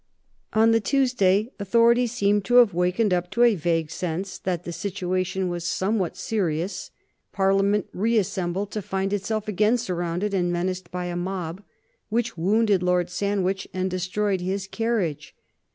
On the Tuesday authority seemed to have wakened up to a vague sense that the situation was somewhat serious. Parliament reassembled to find itself again surrounded and menaced by a mob, which wounded Lord Sandwich and destroyed his carriage.